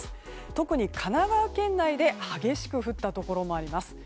特に神奈川県内で激しく降ったところもあります。